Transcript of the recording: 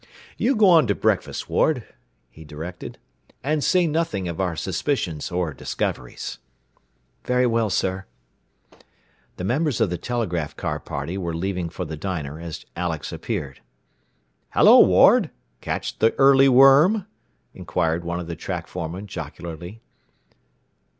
"You go on in to breakfast, Ward," he directed. "And say nothing of our suspicions or discoveries." "Very well, sir." The members of the telegraph car party were leaving for the diner as Alex appeared. "Hello, Ward! Catch the early worm?" inquired one of the track foremen jocularly.